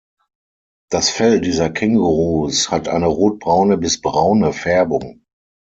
Das Fell dieser Kängurus hat eine rotbraune bis braune Färbung.